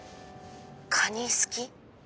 カニ好き？